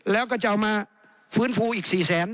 แล้วก็จะเอามาฟื้นฟูอีก๔แสน